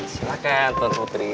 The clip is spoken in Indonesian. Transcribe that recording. silahkan tuan putri